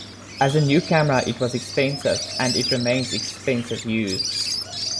As a new camera it was expensive, and it remains expensive used.